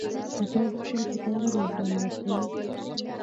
موبایل سترګو ته ولې زیان رسوي؟